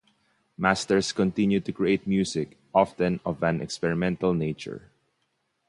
Masters continues to create music, often of an experimental nature.